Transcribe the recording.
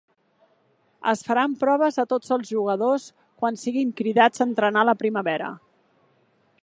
Es faran proves a tots els jugadors quan siguin cridats a entrenar la primavera.